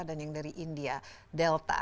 dan yang dari india delta